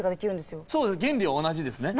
そうです原理は同じですね。